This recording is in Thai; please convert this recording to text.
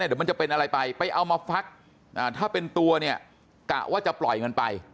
เดี๋ยวมันจะเป็นอะไรไปไปเอามาฟักถ้าเป็นตัวเนี่ยกะว่าจะปล่อยเงินไป